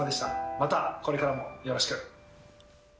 またこれからもよろしく！